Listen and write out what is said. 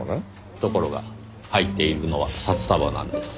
ところが入っているのは札束なんです。